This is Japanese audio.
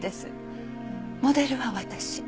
モデルは私。